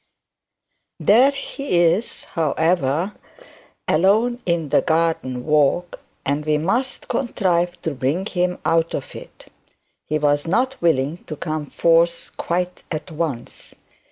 There he is, however, alone on the garden walk, and we must contrive to bring him out of it. He was not willing to come forth quite at once.